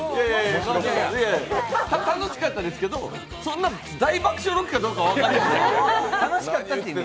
楽しかったですけど、そんな大爆笑ロケかは分からないです。